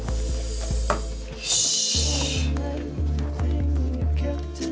よし。